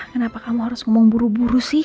kenapa kamu harus ngomong buru buru sih